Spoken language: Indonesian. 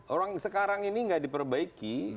orang sekarang ini tidak diperbaiki